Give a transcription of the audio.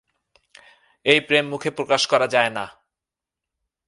এই প্রেম মুখে প্রকাশ করা যায় না।